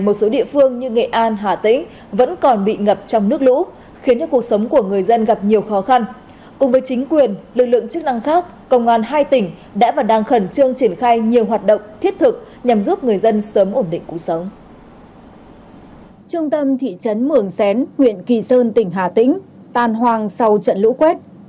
trung tâm thị trấn mường xén huyện kỳ sơn tỉnh hà tĩnh tàn hoàng sau trận lũ quét